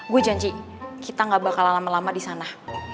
gue janji kita gak bakalan lama lama disana